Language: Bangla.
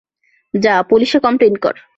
যা, পুলিশে কমপ্লেইন কর।